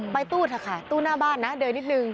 ตู้เถอะค่ะตู้หน้าบ้านนะเดินนิดนึง